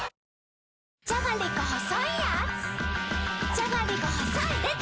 じゃがりこ細いでた‼